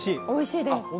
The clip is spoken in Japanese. おいしいです。